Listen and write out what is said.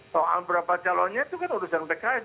soal berapa calonnya itu kan urusan pks